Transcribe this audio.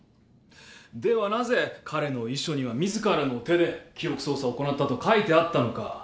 ではなぜ彼の遺書には自らの手で記憶操作を行ったと書いてあったのか。